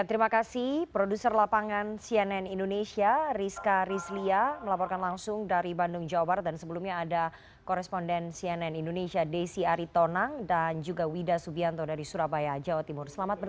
terima kasih produser lapangan cnn indonesia rizka rizlia melaporkan langsung dari bandung jawa barat dan sebelumnya ada koresponden cnn indonesia desi aritonang dan juga wida subianto dari surabaya jawa timur